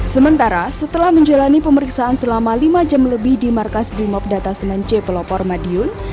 sementara setelah menjalani pemeriksaan selama lima jam lebih di markas brimob data semen c pelopor madiun